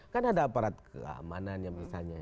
kan ada aparat keamanan yang misalnya